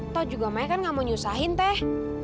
tau juga maya kan gak mau nyusahin teh